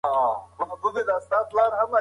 سمه ټکنالوژي د زده کړې کیفیت او لاسرسی زیاتوي.